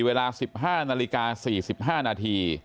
เวลา๑๕นาฬิกา๔๕นาที